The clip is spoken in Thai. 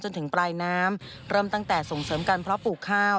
จนถึงปลายน้ำเริ่มตั้งแต่ส่งเสริมการเพราะปลูกข้าว